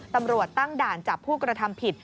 ตำรวจตั้งด่านจับผู้กระทำผิด